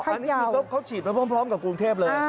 อันนี้คือเขาฉีดมาพร้อมกับกรุงเทพเลย